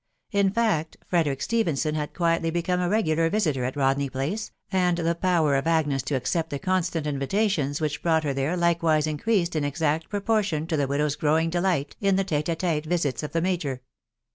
In fact, Frederick Stephenson had quietly become a regular visiter at Rodney Place, and the power of Agnes to accept the constant invitations which brought her there likewise in creased in exact proportion to the widow's growing' delight in the t£te d t£te visits of the major.